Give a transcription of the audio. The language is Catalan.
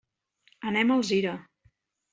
Anem a Alzira.